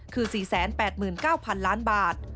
คือ๔๘๙๐๐๐ล้านบาท